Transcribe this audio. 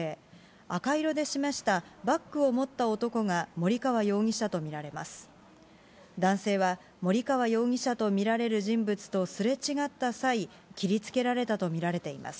赤色で示したバッグを持った男が森川容疑者と見られます。